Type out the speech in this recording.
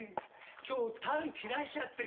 今日タン切らしちゃってるもんで。